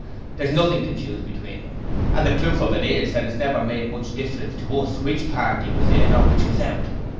There's nothing to choose between 'em, and the proof of it is that it's never made much difference to us which party was in or which was out.